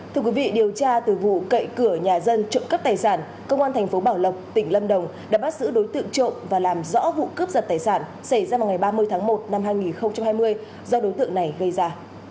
thưa quý vị điều tra từ vụ cậy cửa nhà dân trộm cắp tài sản công an thành phố bảo lộc tỉnh lâm đồng đã bắt giữ đối tượng trộm và làm rõ vụ cướp giật tài sản xảy ra vào ngày ba mươi tháng một năm hai nghìn hai mươi do đối tượng này gây ra